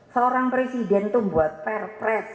seorang presiden itu buat perfres